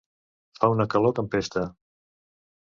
Fa una calor que empesta!